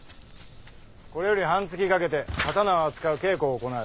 これより半月かけて刀を扱う稽古を行う。